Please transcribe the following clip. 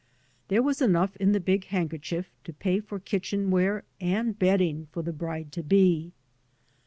There was enough in the big handkerchief to pay for kitchen ware and bedding for the bride to be.